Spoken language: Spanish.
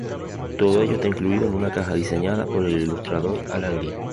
Todo ello está incluido en una caja diseñada por el ilustrador Alan Lee.